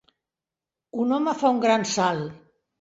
un home fa un gran salt.